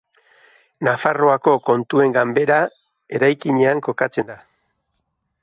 Nafarroako Kontuen Ganbera eraikinean kokatzen da.